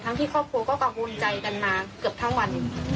ที่ครอบครัวก็กังวลใจกันมาเกือบทั้งวัน